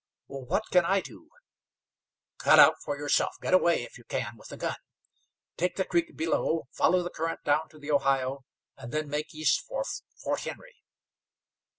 "What can I do?" "Cut out for yourself. Get away, if you can, with a gun. Take the creek below, follow the current down to the Ohio, and then make east for Fort Henry.